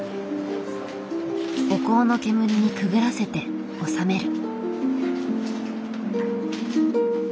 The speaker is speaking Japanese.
お香の煙にくぐらせて納める。